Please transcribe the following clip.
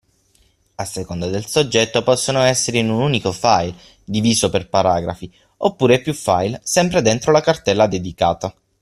A seconda del soggetto possono essere in un unico file diviso per paragrafi oppure piu file sempre dentro la cartella dedicata.